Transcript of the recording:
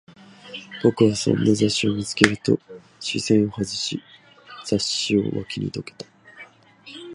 僕はそんな雑誌を見つけると、視線を外し、雑誌を脇にどけた